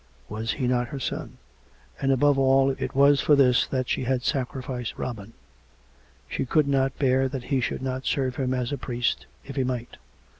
Was He not her son? And, above all, it was for this that she had sacrificed Robin: she could not bear that he should not serve Him asr a priest, if he might.